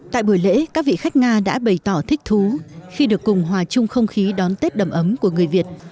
tại buổi lễ các vị khách nga đã bày tỏ thích thú khi được cùng hòa chung không khí đón tết đầm ấm của người việt